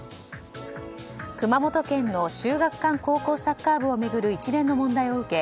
熊本県の秀岳館高校サッカー部を巡る一連の問題を受け